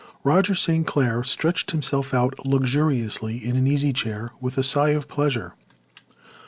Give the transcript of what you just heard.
Roger St. Clair stretched himself out luxuriously in an easy chair with a sigh of pleasure.